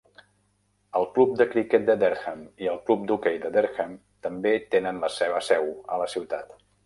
El Club de Criquet de Dereham i el Club d'Hoquei de Dereham també tenen la seva seu a la ciutat.